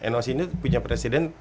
noc ini punya presiden